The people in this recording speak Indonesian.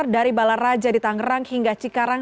dari balar raja di tangerang hingga cikarang